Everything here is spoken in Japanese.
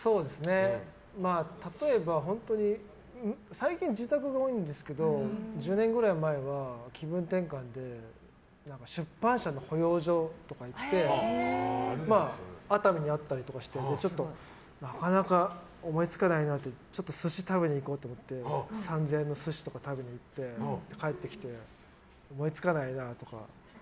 例えば最近自宅が多いんですけど１０年くらい前は気分転換で出版社の保養所とかに行って熱海にあったりとかしてちょっとなかなか思いつかないなって寿司食べに行こうと思って３０００円の寿司とか食べに行って、帰ってきて思いつかないなとか。